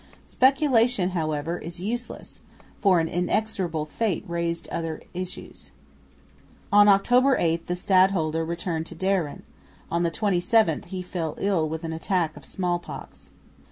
Speculation however is useless, for an inexorable fate raised other issues. On October 8 the stadholder returned to Dieren, on the 27th he fell ill with an attack of small pox.